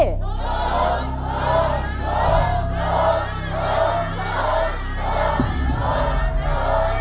หนุ่น